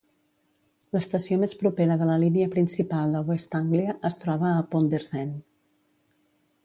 L'estació més propera de la línia principal de West Anglia es troba a Ponders End.